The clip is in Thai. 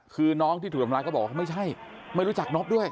คือน้องที่ถูกทำร้ายก็บอกว่าไม่ใช่ไม่รู้จักนบด้วย